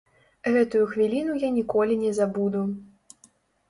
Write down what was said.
Гэтую хвіліну я ніколі не забуду.